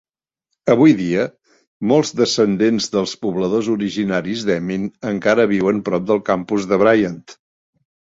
Avui dia, molts descendents dels pobladors originaris d'Emin encara viuen prop del campus de Bryant.